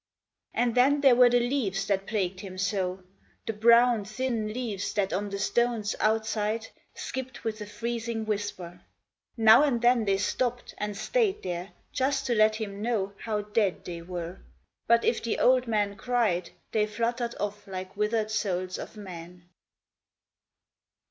And then there were the leaves that plagued him so! The brown, thin leaves that on the stones outside Skipped with a freezing whisper. Now and then They stopped, and stayed there just to let him know How dead they were; but if the old man cried, They fluttered off like withered souls of men.